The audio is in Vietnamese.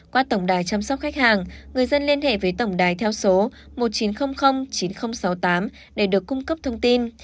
qua tổng đài chăm sóc khách hàng người dân liên hệ với tổng đài theo số một chín không không chín không sáu tám để được cung cấp thông tin